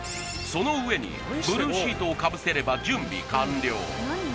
その上にブルーシートをかぶせれば準備完了